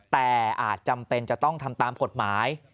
แต่อาจจำเป็นจะต้องทำตามกฎหมาย